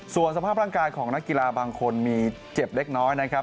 ส่วนสภาพร่างกายของนักกีฬาบางคนมีเจ็บเล็กน้อยนะครับ